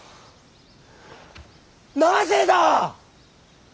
なぜだ！